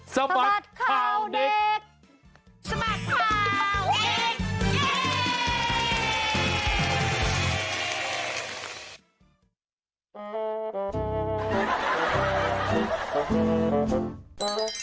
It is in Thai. สมัดข่าวเด็ก